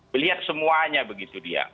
melihat semuanya begitu dia